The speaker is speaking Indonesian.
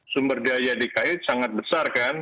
sumber daya dki sangat besar kan